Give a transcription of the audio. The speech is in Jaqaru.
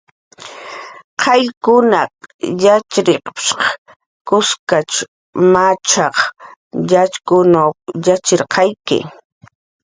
"Qayllkunaq yatxchirp""shq kuskach machaq yatxkun yatxirqayki"